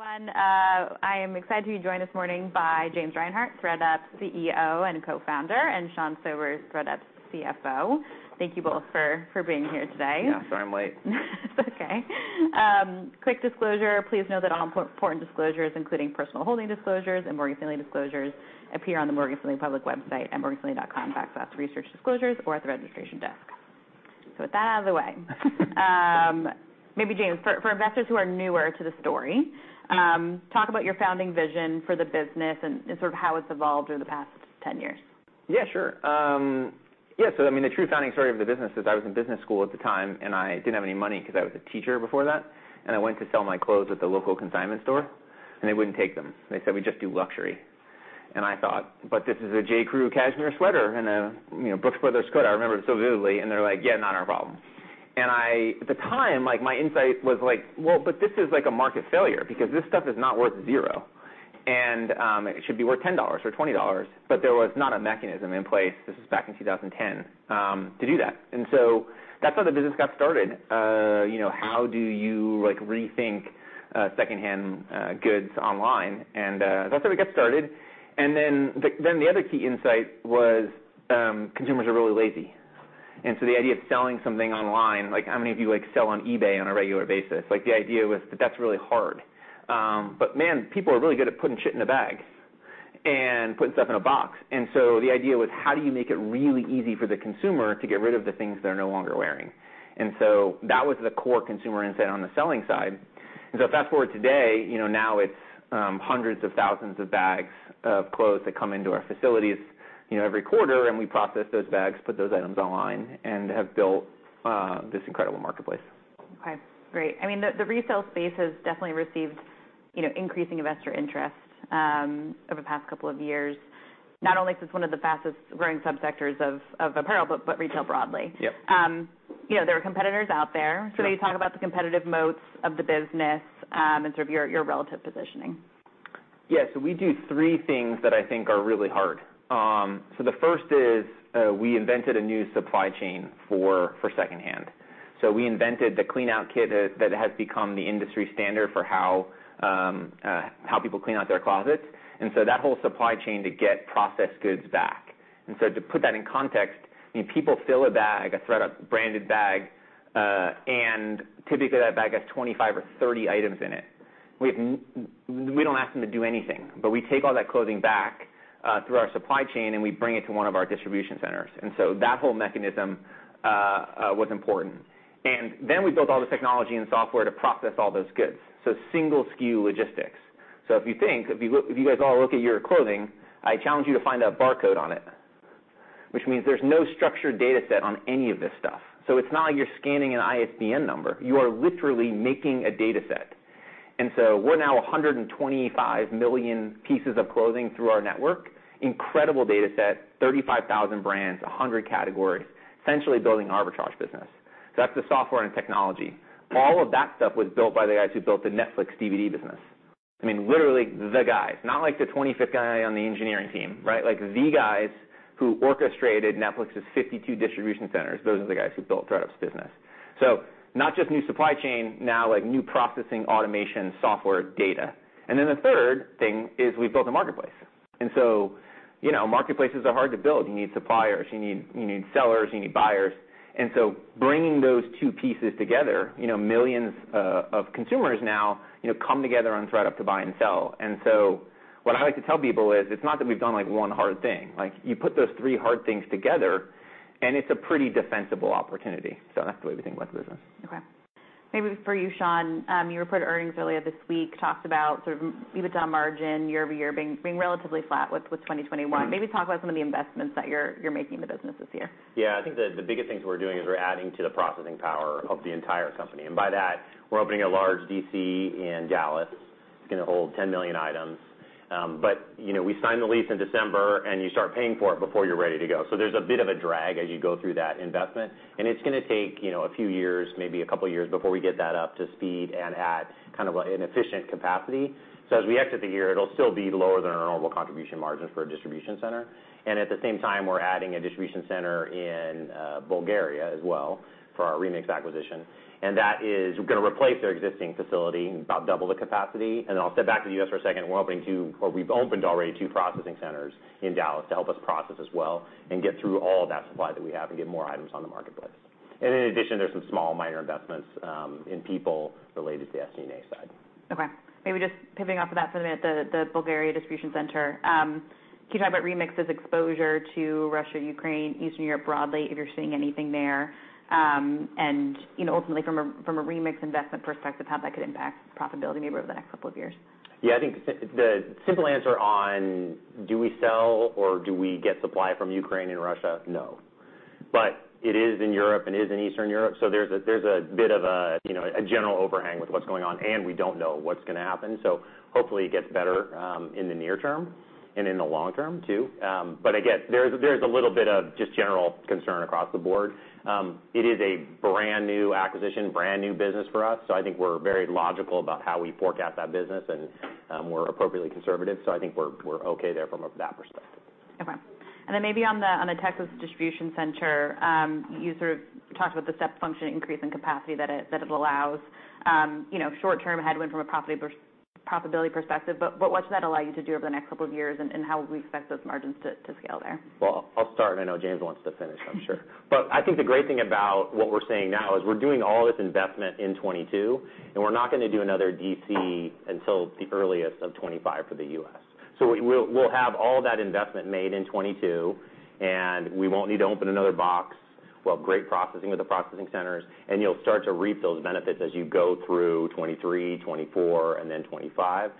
Everyone, I am excited to be joined this morning by James Reinhart, ThredUP CEO and co-founder, and Sean Sobers, ThredUP's CFO. Thank you both for being here today. Yeah, sorry I'm late. It's okay. Quick disclosure, please know that all important disclosures, including personal holding disclosures and Morgan Stanley disclosures appear on the Morgan Stanley public website at morganstanley.com/research disclosures or at the registration desk. With that out of the way. Maybe James, for investors who are newer to the story, talk about your founding vision for the business and sort of how it's evolved over the past 10 years. Yeah, sure. Yeah, so I mean, the true founding story of the business is I was in business school at the time, and I didn't have any money because I was a teacher before that. I went to sell my clothes at the local consignment store, and they wouldn't take them. They said, "We just do luxury." I thought, "But this is a J.Crew cashmere sweater and a, you know, Brooks Brothers skirt." I remember it so vividly. They're like, "Yeah, not our problem." I, at the time, like, my insight was like, well, but this is like a market failure because this stuff is not worth zero. It should be worth $10 or $20, but there was not a mechanism in place, this was back in 2010, to do that. That's how the business got started. You know, how do you, like, rethink secondhand goods online? That's how we got started. The other key insight was, consumers are really lazy. The idea of selling something online, like how many of you like, sell on eBay on a regular basis? Like, the idea was that that's really hard. Man, people are really good at putting in a bag and putting stuff in a box. The idea was how do you make it really easy for the consumer to get rid of the things they're no longer wearing? That was the core consumer insight on the selling side. Fast-forward today, you know, now it's hundreds of thousands of bags of clothes that come into our facilities, you know, every quarter, and we process those bags, put those items online, and have built this incredible marketplace. Okay, great. I mean, the resale space has definitely received, you know, increasing investor interest over the past couple of years, not only because it's one of the fastest growing subsectors of apparel, but retail broadly. Yep. You know, there are competitors out there. Sure. Can you talk about the competitive moats of the business, and sort of your relative positioning? Yeah. We do three things that I think are really hard. The first is we invented a new supply chain for second hand. We invented the Clean Out Kit that has become the industry standard for how people clean out their closets, and that whole supply chain to get processed goods back. To put that in context, you know, people fill a bag, a thredUP branded bag, and typically that bag has 25 or 30 items in it. We don't ask them to do anything, but we take all that clothing back through our supply chain, and we bring it to one of our distribution centers. That whole mechanism was important. We built all the technology and software to process all those goods, so single SKU logistics. If you guys all look at your clothing, I challenge you to find a barcode on it, which means there's no structured data set on any of this stuff. It's not like you're scanning an ISBN number. You are literally making a data set. We're now 125 million pieces of clothing through our network. Incredible data set, 35,000 brands, 100 categories, essentially building arbitrage business. That's the software and technology. All of that stuff was built by the guys who built the Netflix DVD business. I mean, literally the guys. Not like the 25th guy on the engineering team, right? Like, the guys who orchestrated Netflix's 52 distribution centers. Those are the guys who built thredUP's business. Not just new supply chain, now, like, new processing, automation, software, data. Then the third thing is we've built a marketplace, and so, you know, marketplaces are hard to build. You need suppliers, you need sellers, you need buyers. So bringing those two pieces together, you know, millions of consumers now, you know, come together on thredUP to buy and sell. So what I like to tell people is, it's not that we've done, like, one hard thing. Like, you put those three hard things together, and it's a pretty defensible opportunity. That's the way we think about the business. Okay. Maybe for you, Sean, you reported earnings earlier this week, talked about sort of EBITDA margin year-over-year being relatively flat with 2021. Maybe talk about some of the investments that you're making in the business this year. Yeah. I think the biggest things we're doing is we're adding to the processing power of the entire company, and by that, we're opening a large DC in Dallas. It's going to hold 10 million items. You know, we signed the lease in December, and you start paying for it before you're ready to go. There's a bit of a drag as you go through that investment, and it's going to take, you know, a few years, maybe a couple of years before we get that up to speed and at kind of an efficient capacity. As we exit the year, it'll still be lower than our normal contribution margins for a distribution center. At the same time, we're adding a distribution center in Bulgaria as well for our Remix acquisition, and that is going to replace their existing facility and about double the capacity. I'll step back to the U.S. for a second. Well, we've opened already 2 processing centers in Dallas to help us process as well and get through all of that supply that we have and get more items on the marketplace. In addition, there's some small minor investments in people related to the SG&A side. Okay. Maybe just pivoting off of that for a minute, the Bulgaria distribution center. Can you talk about Remix's exposure to Russia, Ukraine, Eastern Europe broadly, if you're seeing anything there? You know, ultimately from a Remix investment perspective, how that could impact profitability maybe over the next couple of years. Yeah. I think the simple answer on do we sell or do we get supply from Ukraine and Russia? No. It is in Europe and is in Eastern Europe, so there's a bit of a, you know, a general overhang with what's going on, and we don't know what's going to happen. Hopefully it gets better in the near term and in the long term too. Again, there's a little bit of just general concern across the board. It is a brand-new acquisition, brand-new business for us, so I think we're very logical about how we forecast that business, and we're appropriately conservative, so I think we're okay there from that perspective. Okay. Then maybe on the Texas distribution center, you sort of talked about the step function increase in capacity that it allows, you know, short-term headwind from a profitability perspective. But what's that allow you to do over the next couple of years, and how would we expect those margins to scale there? Well, I'll start, and I know James wants to finish, I'm sure. I think the great thing about what we're saying now is we're doing all this investment in 2022, and we're not going to do another DC until the earliest of 2025 for the U.S. We'll have all that investment made in 2022, and we won't need to open another box. We'll have great processing with the processing centers, and you'll start to reap those benefits as you go through 2023, 2024, and then 2025.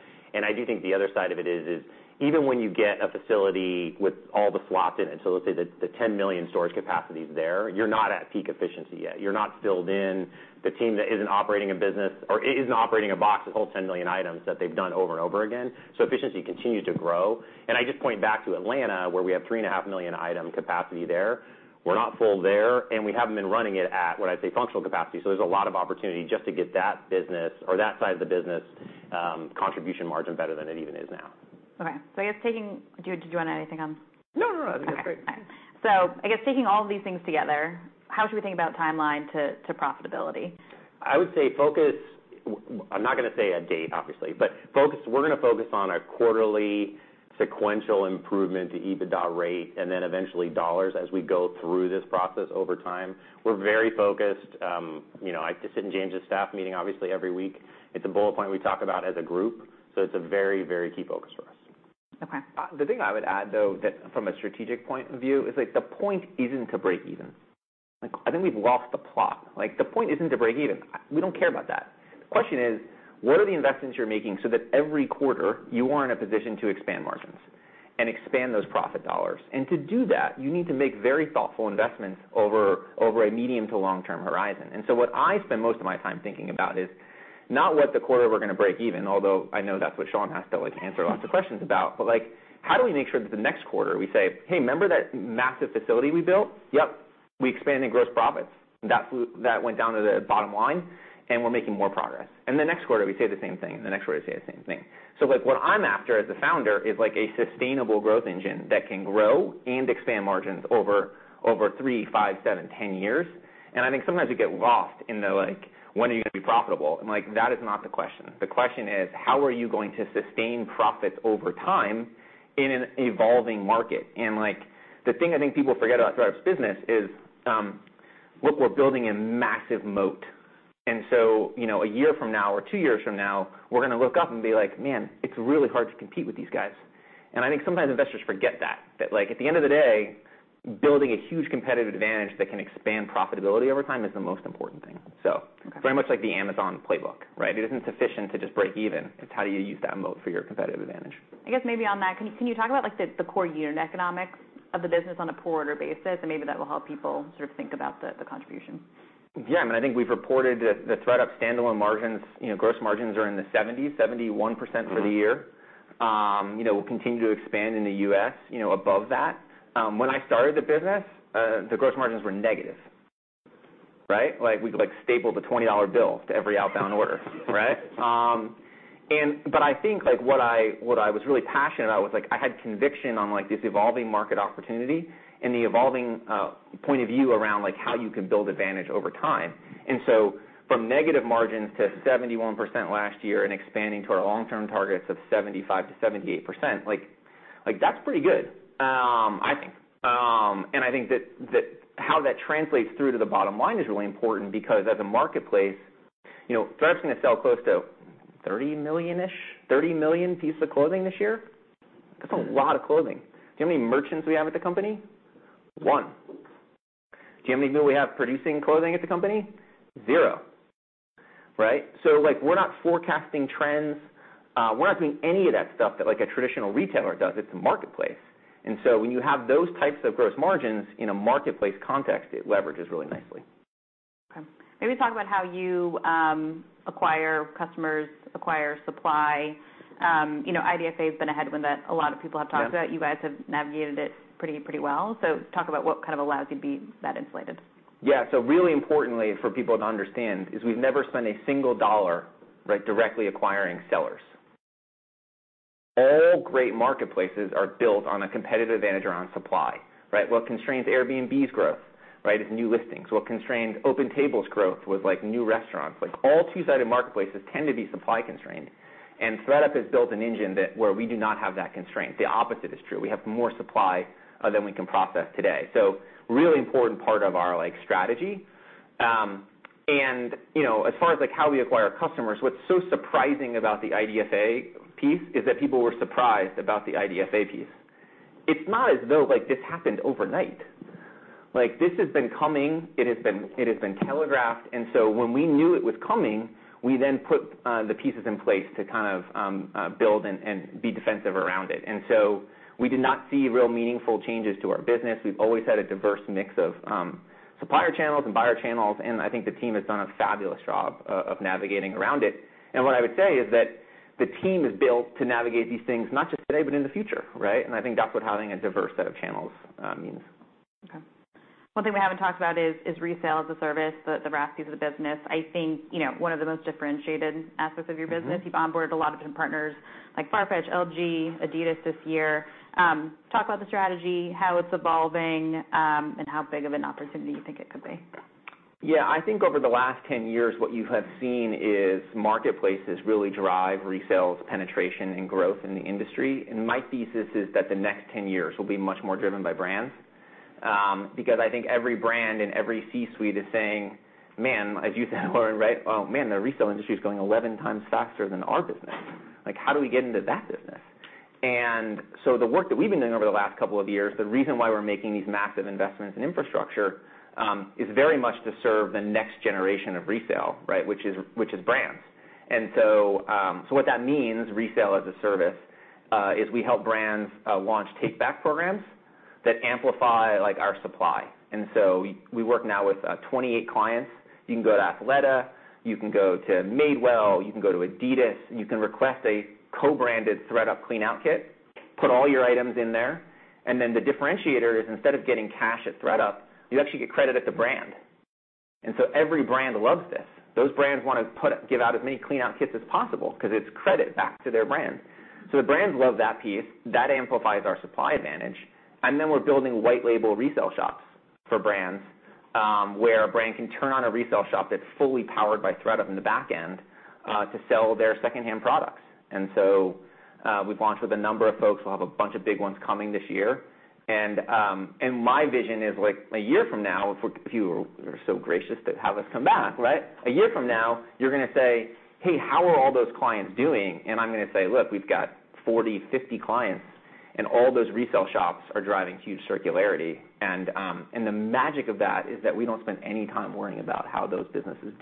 I do think the other side of it is even when you get a facility with all the slots in it, so let's say that the 10 million storage capacity is there, you're not at peak efficiency yet. You're not filled in. The team that isn't operating a business or isn't operating a box of 10 million items that they've done over and over again. Efficiency continues to grow. I just point back to Atlanta, where we have 3.5 million item capacity there. We're not full there, and we haven't been running it at what I'd say functional capacity. There's a lot of opportunity just to get that business or that side of the business, contribution margin better than it even is now. Okay. I guess. Do you want anything on- No, no. I think that's great. Okay. I guess taking all of these things together, how should we think about timeline to profitability? I would say, I'm not going to say a date, obviously, but we're going to focus on a quarterly sequential improvement to EBITDA rate and then eventually dollars as we go through this process over time. We're very focused, you know, I sit in James' staff meeting obviously every week. It's a bullet point we talk about as a group, so it's a very, very key focus for us. Okay. The thing I would add, though, that from a strategic point of view is, like, the point isn't to break even. Like, I think we've lost the plot. Like, the point isn't to break even. We don't care about that. The question is, what are the investments you're making so that every quarter you are in a position to expand margins and expand those profit dollars? To do that, you need to make very thoughtful investments over a medium to long-term horizon. What I spend most of my time thinking about is not what the quarter we're going to break even, although I know that's what Sean has to, like, answer lots of questions about. Like, how do we make sure that the next quarter we say, "Hey, remember that massive facility we built? Yep, we expanded gross profits. That went down to the bottom line, and we're making more progress." The next quarter, we say the same thing, and the next quarter we say the same thing. Like, what I'm after as a founder is, like, a sustainable growth engine that can grow and expand margins over three, five, seven, 10 years. I think sometimes we get lost in the, like, when are you going to be profitable? I'm like, "That is not the question." The question is, how are you going to sustain profits over time in an evolving market? Like, the thing I think people forget about thredUP's business is, look, we're building a massive moat. You know, a year from now or two years from now, we're going to look up and be like, "Man, it's really hard to compete with these guys." I think sometimes investors forget that. That, like, at the end of the day, building a huge competitive advantage that can expand profitability over time is the most important thing. Okay. Very much like the Amazon playbook, right? It isn't sufficient to just break even. It's how do you use that moat for your competitive advantage. I guess maybe on that, can you talk about, like, the core unit economics of the business on a per order basis, and maybe that will help people sort of think about the contribution? Yeah, I mean, I think we've reported the thredUP standalone margins, you know, gross margins are in the 70s, 71% for the year. You know, we'll continue to expand in the U.S., you know, above that. When I started the business, the gross margins were negative, right? Like, we would, like, staple the $20 bill to every outbound order, right? I think, like, what I was really passionate about was, like, I had conviction on, like, this evolving market opportunity and the evolving point of view around, like, how you can build advantage over time. From negative margins to 71% last year and expanding to our long-term targets of 75%-78%, like, that's pretty good, I think. I think that's how it translates through to the bottom line is really important because as a marketplace, you know, thredUP's going to sell close to 30 million-ish, 30 million pieces of clothing this year. That's a lot of clothing. Do you know how many merchants we have at the company? One. Do you know how many people we have producing clothing at the company? Zero, right? So, like, we're not forecasting trends. We're not doing any of that stuff that, like, a traditional retailer does. It's a marketplace. When you have those types of gross margins in a marketplace context, it leverages really nicely. Okay. Maybe talk about how you acquire customers, acquire supply. You know, IDFA has been a headwind that a lot of people have talked about. Yeah. You guys have navigated it pretty well. Talk about what kind of allows you to be that insulated. Yeah. Really importantly for people to understand is we've never spent a single dollar, right, directly acquiring sellers. All great marketplaces are built on a competitive advantage around supply, right? What constrains Airbnb's growth, right, is new listings. What constrains OpenTable's growth was, like, new restaurants. Like, all two-sided marketplaces tend to be supply constrained, and thredUP has built an engine that where we do not have that constraint. The opposite is true. We have more supply than we can process today. Really important part of our, like, strategy. You know, as far as, like, how we acquire customers, what's so surprising about the IDFA piece is that people were surprised about the IDFA piece. It's not as though, like, this happened overnight. Like, this has been coming. It has been telegraphed. When we knew it was coming, we then put the pieces in place to kind of build and be defensive around it. We did not see real meaningful changes to our business. We've always had a diverse mix of supplier channels and buyer channels, and I think the team has done a fabulous job of navigating around it. What I would say is that the team is built to navigate these things, not just today, but in the future, right? I think that's what having a diverse set of channels means. Okay. One thing we haven't talked about is resale as a service, the RaaS piece of the business. I think, you know, one of the most differentiated aspects of your business. Mm-hmm. You've onboarded a lot of different partners like Farfetch, LG, Adidas this year. Talk about the strategy, how it's evolving, and how big of an opportunity you think it could be. Yeah. I think over the last 10 years, what you have seen is marketplaces really drive resale's penetration and growth in the industry. My thesis is that the next 10 years will be much more driven by brands. Because I think every brand in every C-suite is saying, "Man," as you said, Lauren, right? "Oh man, the resale industry is going 11 times faster than our business. Like, how do we get into that business?" The work that we've been doing over the last couple of years, the reason why we're making these massive investments in infrastructure, is very much to serve the next generation of resale, right? Which is brands. What that means, Resale-as-a-Service, is we help brands launch take-back programs that amplify, like, our supply. We work now with 28 clients. You can go to Athleta, you can go to Madewell, you can go to Adidas, and you can request a co-branded ThredUp Clean Out Kit, put all your items in there, and then the differentiator is instead of getting cash at ThredUp, you actually get credit at the brand. Every brand loves this. Those brands want to give out as many Clean Out Kits as possible, 'cause it's credit back to their brand. The brands love that piece. That amplifies our supply advantage. We're building white label resale shops for brands, where a brand can turn on a resale shop that's fully powered by ThredUp in the back end, to sell their secondhand products. We've launched with a number of folks. We'll have a bunch of big ones coming this year. My vision is, like, a year from now, if you are so gracious to have us come back, right? A year from now, you're going to say, "Hey, how are all those clients doing?" I'm going to say, "Look, we've got 40, 50 clients, and all those resale shops are driving huge circularity." The magic of that is that we don't spend any time worrying about how those businesses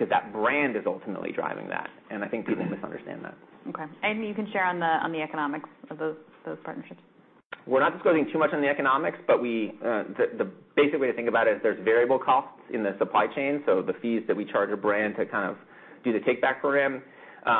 do, 'cause that brand is ultimately driving that, and I think people misunderstand that. Okay. Anything you can share on the economics of those partnerships? We're not disclosing too much on the economics, but the basic way to think about it is there's variable costs in the supply chain, so the fees that we charge a brand to kind of do the take-back program,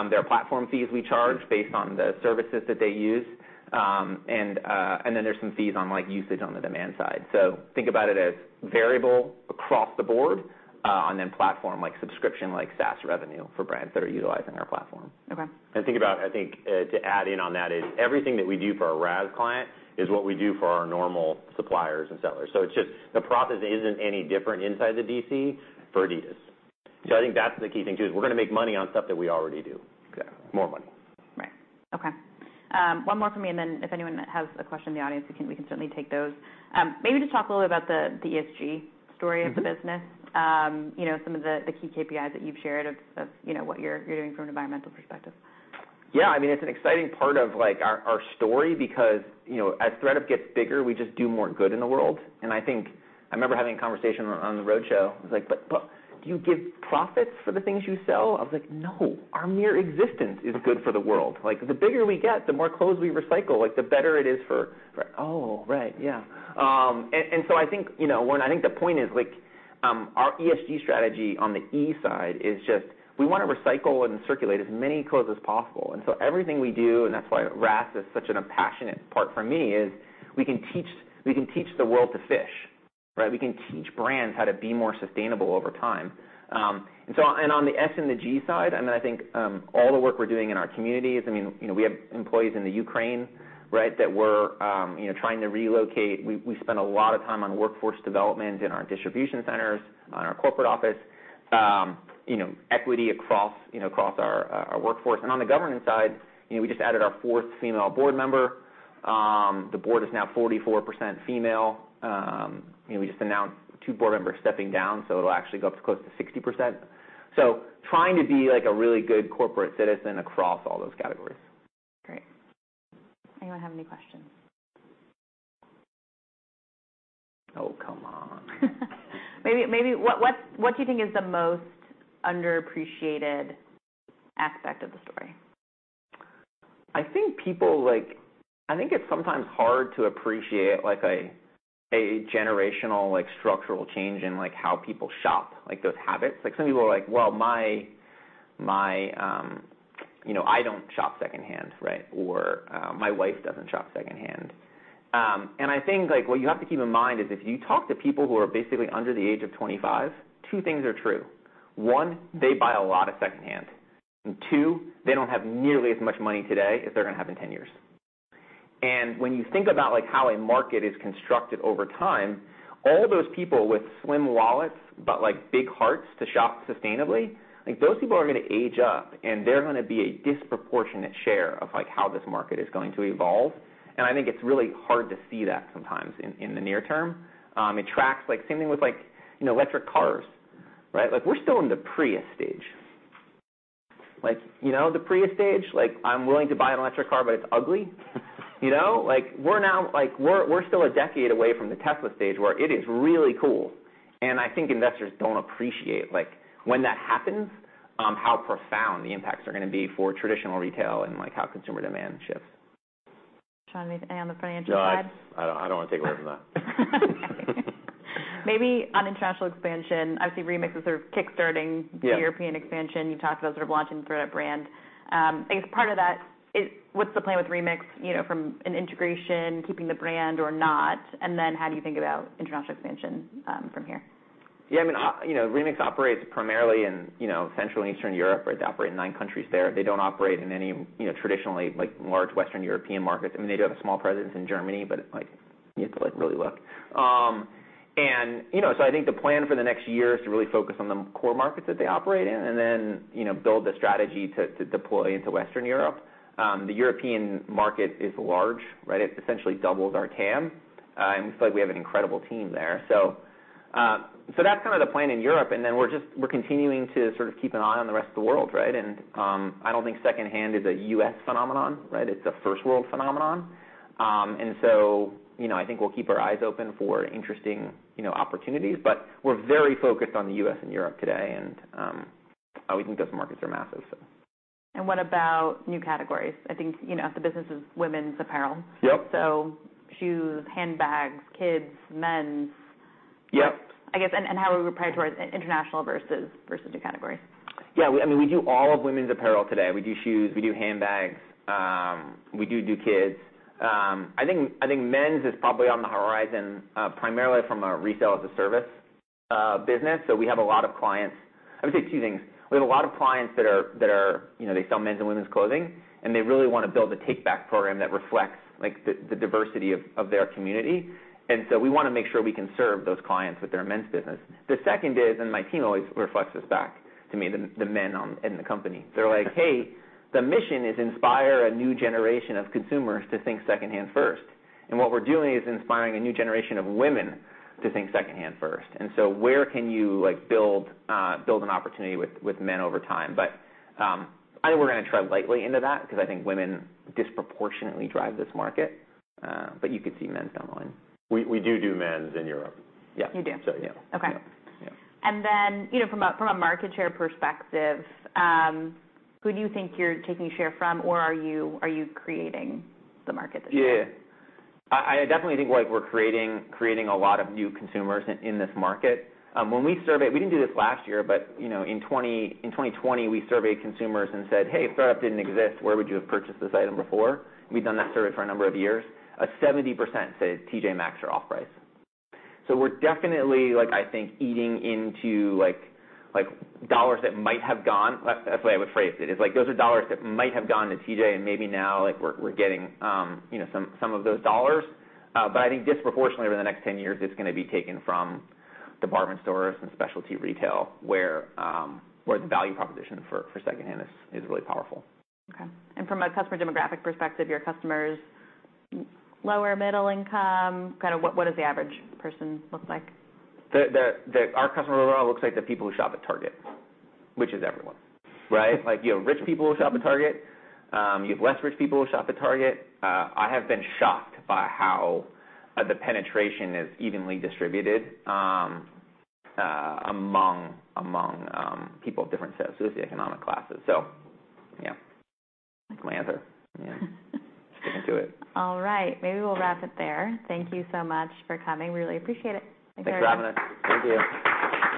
there are platform fees we charge based on the services that they use, and then there's some fees on, like, usage on the demand side. So think about it as variable across the board, and then platform, like subscription, like SaaS revenue for brands that are utilizing our platform. Okay. Think about, I think, to add in on that is everything that we do for our RaaS client is what we do for our normal suppliers and sellers. It's just, the process isn't any different inside the DC for Adidas. I think that's the key thing too, is we're going to make money on stuff that we already do. Okay. More money. Right. Okay. One more from me, and then if anyone has a question in the audience, we can certainly take those. Maybe just talk a little about the ESG story of the business. Mm-hmm. You know, some of the key KPIs that you've shared of you know, what you're doing from an environmental perspective. Yeah. I mean, it's an exciting part of, like, our story because, you know, as thredUP gets bigger, we just do more good in the world. I think I remember having a conversation on the roadshow. It was like, "But do you give profits for the things you sell?" I was like, "No, our mere existence is good for the world. Like, the bigger we get, the more clothes we recycle, like, the better it is for" "Oh, right. Yeah." So I think, you know, when I think the point is, like, our ESG strategy on the E side is just we want to recycle and circulate as many clothes as possible. Everything we do, and that's why RaaS is such a passionate part for me, is we can teach the world to fish, right? We can teach brands how to be more sustainable over time. On the S and the G side, I mean, I think all the work we're doing in our communities, I mean, you know, we have employees in Ukraine, right? That we're trying to relocate. We spend a lot of time on workforce development in our distribution centers, on our corporate office. You know, equity across our workforce. On the governance side, you know, we just added our fourth female board member. The board is now 44% female. You know, we just announced 2 board members stepping down, so it'll actually go up close to 60%. Trying to be, like, a really good corporate citizen across all those categories. Great. Anyone have any questions? Oh, come on. Maybe what do you think is the most underappreciated aspect of the story? I think it's sometimes hard to appreciate like a generational like structural change in like how people shop like those habits. Like some people are like "Well my you know I don't shop secondhand" right? Or "My wife doesn't shop secondhand." I think like what you have to keep in mind is if you talk to people who are basically under the age of 25 two things are true. One they buy a lot of secondhand. Two they don't have nearly as much money today as they're going to have in 10 years. When you think about, like, how a market is constructed over time, all those people with slim wallets, but, like, big hearts to shop sustainably, like, those people are going to age up, and they're going to be a disproportionate share of, like, how this market is going to evolve. I think it's really hard to see that sometimes in the near term. It tracks. Like, same thing with, like, you know, electric cars, right? Like, we're still in the Prius stage. Like, you know the Prius stage? Like, I'm willing to buy an electric car, but it's ugly. You know? Like, we're still a decade away from the Tesla stage, where it is really cool, and I think investors don't appreciate, like, when that happens, how profound the impacts are going to be for traditional retail and, like, how consumer demand shifts. Sean, anything on the financial side? No, I don't want to take away from that. Maybe on international expansion. Obviously, Remix is sort of kickstarting- Yeah The European expansion. You talked about sort of launching thredUP brand. I guess part of that is, what's the plan with Remix, you know, from an integration, keeping the brand or not? How do you think about international expansion from here? Yeah, I mean, you know, Remix operates primarily in, you know, Central and Eastern Europe, right? They operate in nine countries there. They don't operate in any, you know, traditionally, like, large Western European markets. I mean, they do have a small presence in Germany, but it's like you have to like really look. You know, I think the plan for the next year is to really focus on the core markets that they operate in and then, you know, build the strategy to deploy into Western Europe. The European market is large, right? It essentially doubles our TAM, and it's like we have an incredible team there. That's kind of the plan in Europe, and then we're just continuing to sort of keep an eye on the rest of the world, right? I don't think secondhand is a U.S. phenomenon, right? It's a first world phenomenon. You know, I think we'll keep our eyes open for interesting, you know, opportunities. We're very focused on the U.S. and Europe today, and we think those markets are massive. What about new categories? I think, you know, if the business is women's apparel. Yep. Shoes, handbags, kids, men's. Yep. I guess how are we prioritizing international versus new categories? Yeah, I mean, we do all of women's apparel today. We do shoes, we do handbags, we do kids. I think men's is probably on the horizon, primarily from a Resale-as-a-Service business. We have a lot of clients. I would say two things. We have a lot of clients that are, you know, they sell men's and women's clothing, and they really want to build a take back program that reflects like the diversity of their community. We want to make sure we can serve those clients with their men's business. The second is, my team always reflects this back to me, the men in the company. They're like, "Hey, the mission is to inspire a new generation of consumers to think secondhand first. What we're doing is inspiring a new generation of women to think secondhand first. Where can you, like, build an opportunity with men over time? I think we're going to tread lightly into that because I think women disproportionately drive this market. You could see men's down the line. We do men's in Europe. Yeah. You do? Yeah. Okay. Yeah. Yeah. You know, from a market share perspective, who do you think you're taking share from or are you creating the market that you're in? Yeah. I definitely think like we're creating a lot of new consumers in this market. When we surveyed, we didn't do this last year, but you know in 2020 we surveyed consumers and said, "Hey, if thredUP didn't exist, where would you have purchased this item before?" We've done that survey for a number of years. 70% said TJ Maxx or off-price. So we're definitely like I think eating into like dollars that might have gone. That's the way I would phrase it is like those are dollars that might have gone to TJ and maybe now like we're getting you know some of those dollars. I think disproportionately over the next 10 years, it's going to be taken from department stores and specialty retail where the value proposition for secondhand is really powerful. Okay. From a customer demographic perspective, your customers lower middle income, kind of what does the average person look like? Our customer overall looks like the people who shop at Target, which is everyone, right? Like, you have rich people who shop at Target. You have less rich people who shop at Target. I have been shocked by how the penetration is evenly distributed among people of different socioeconomic classes. Yeah, that's my answer. Yeah. Sticking to it. All right. Maybe we'll wrap it there. Thank you so much for coming. Really appreciate it. Thanks very much. Thanks for having us. Thank you.